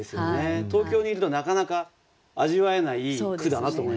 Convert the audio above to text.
東京にいるとなかなか味わえない句だなと思いました。